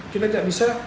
kita tidak bisa